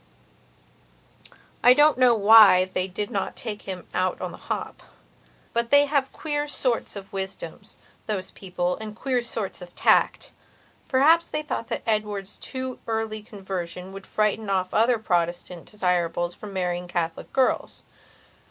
I don't know why they did not take him on the hop; but they have queer sorts of wisdoms, those people, and queer sorts of tact. Perhaps they thought that Edward's too early conversion would frighten off other Protestant desirables from marrying Catholic girls.